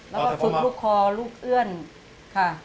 แล้วก็ซุดลูกคอลูกเอื้อนค่ะ